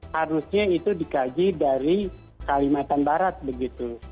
harusnya itu dikaji dari kalimantan barat begitu